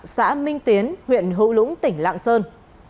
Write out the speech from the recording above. xã minh tiến huyện hữu lũng tỉnh lạng sơn